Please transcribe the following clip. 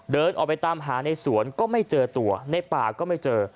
เดินออกไปตามหาในสวนก็ไม่เจอตัวในป่าก็ไม่เจอ